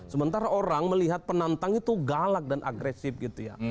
sementara orang melihat penantang itu galak dan agresif gitu ya